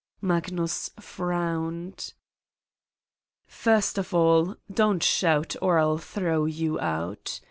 Magnus frowned: " First of all: don't shout or I'll throw you out.